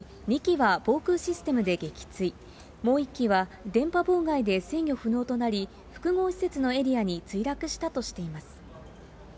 飛来したドローンのうち２機は防空システムで撃墜、もう１機は電波妨害で制御不能となり、複合施設のエリアに墜落したとしています。